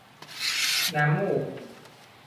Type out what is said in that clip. น้ำมูก